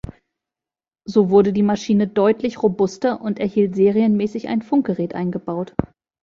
So wurde die Maschine deutlich robuster und erhielt serienmäßig ein Funkgerät eingebaut.